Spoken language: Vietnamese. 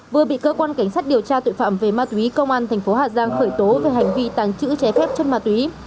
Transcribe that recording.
vừa bị cơ quan cảnh sát điều tra tội phạm về ma túy công an thành phố hà giang khởi tố về hành vi tàng trữ trái phép chất ma túy